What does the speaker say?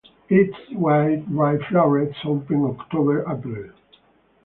Its white ray florets open October–April.